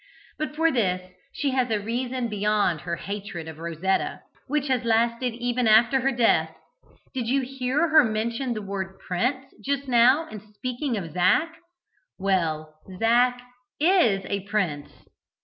But for this she has a reason beyond her hatred of Rosetta, which has lasted even after her death. Did you hear her mention the word 'prince' just now in speaking of Zac? Well, Zac is a prince!"